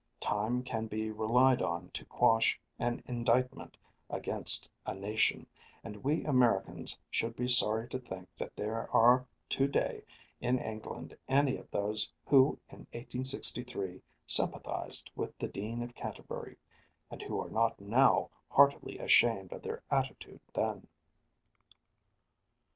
Time can be relied on to quash an indictment against a nation, and we Americans should be sorry to think that there are to day in England any of those who in 1863 sympathized with the Dean of Canterbury, and who are not now heartily ashamed of their attitude then.